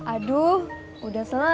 aduh udah selesai